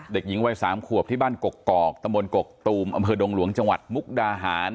เด็กหญิงวัย๓ขวบที่บ้านกกอกตะบนกกตูมอำเภอดงหลวงจังหวัดมุกดาหาร